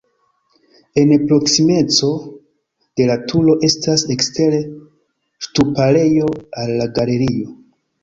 En proksimeco de la turo estas ekstere ŝtuparejo al la galerio.